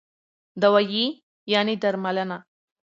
دوايي √ درملنه